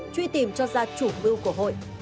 truy tìm cho ra chủ mưu của hội